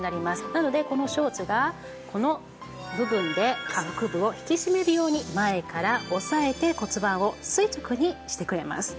なのでこのショーツがこの部分で下腹部を引き締めるように前から押さえて骨盤を垂直にしてくれます。